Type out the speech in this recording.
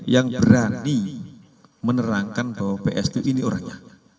yang berani menerangkan bahwa psi ini orangnya